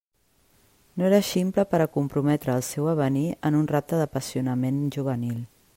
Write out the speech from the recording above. No era ximple per a comprometre el seu avenir en un rapte d'apassionament juvenil.